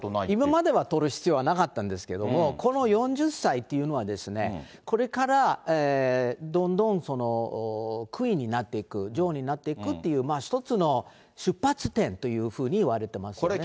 今までは撮る必要はなかったんですけど、この４０歳っていうのはですね、これからどんどんクイーンになっていく、女王になっていくっていう、一つの出発点というふうにいわれてますよね。